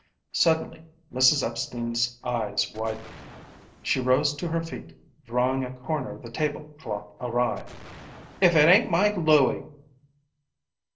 Suddenly Mrs. Epstein's eyes widened; she rose to her feet, drawing a corner of the table cloth awry. "If it ain't my Louie!"